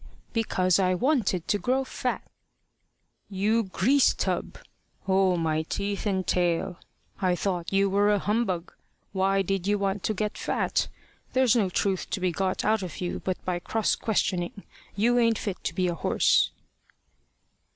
"Because I wanted to grow fat." "You grease tub! Oh! my teeth and tail! I thought you were a humbug! Why did you want to get fat? There's no truth to be got out of you but by cross questioning. You ain't fit to be a horse."